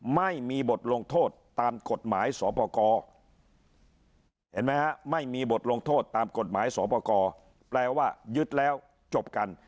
ไม่มีบทลงโทษตามกฎหมายสอปกรเห็นไหมฮะไม่มีบทลงโทษตามกฎหมายสอปกรแปลว่ายึดแล้วจบกัน